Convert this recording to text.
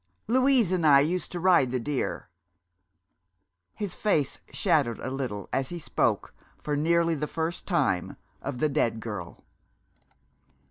Louise and I used to ride the deer." His face shadowed a little as he spoke, for nearly the first time, of the dead girl.